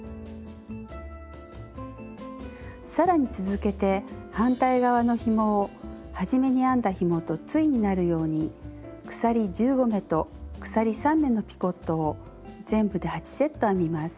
更に続けて反対側のひもをはじめに編んだひもと対になるように鎖１５目と鎖３目のピコットを全部で８セット編みます。